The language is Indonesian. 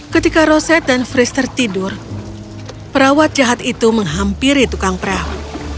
ketika roset dan fris tertidur perawat jahat itu menghampiri tukang perahu